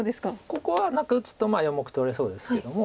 ここは何か打つと４目取れそうですけども。